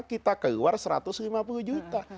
kita keluar satu ratus lima puluh juta